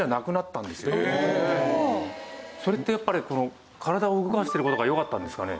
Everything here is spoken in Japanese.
それってやっぱり体を動かしてる事が良かったんですかね？